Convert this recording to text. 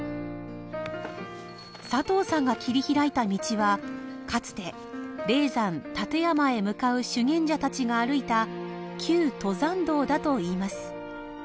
佐藤さんが切り拓いた道はかつて霊山・立山へ向かう修験者たちが歩いた旧登山道だといいます。